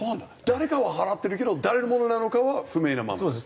誰かは払ってるけど誰のものなのかは不明なまま？